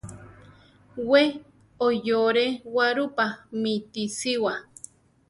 We oyore Guarupa mitisiwa.